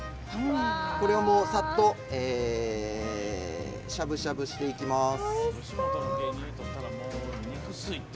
これもサッとしゃぶしゃぶしていきます。